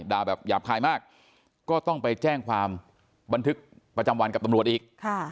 แบบหยาบคายมากก็ต้องไปแจ้งความบันทึกประจำวันกับตำรวจอีก